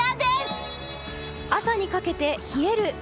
朝にかけて冷える。